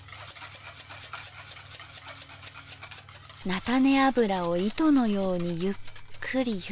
菜種油を糸のようにゆっくりゆっくり。